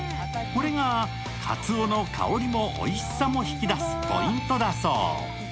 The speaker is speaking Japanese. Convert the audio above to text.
これが、カツオの香りもおいしさも引き出すポイントだそう。